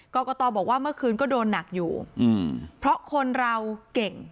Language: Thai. กรกตบอกว่าเมื่อคืนก็โดนหนักอยู่เพราะคนเราเก่ง